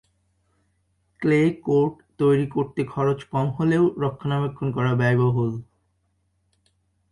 Clay court তৈরি করতে খরচ কম হলেও রক্ষণাবেক্ষণ করা ব্যয়বহুল।